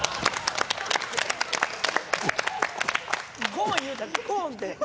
ゴーンいうたでゴーンって。